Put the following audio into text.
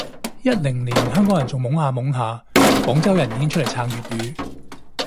一零年香港人仲懵下懵下，廣州人已經出嚟撐粵語